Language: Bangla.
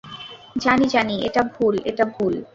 জানি, জানি, এটা ভুল, এটা ভুল।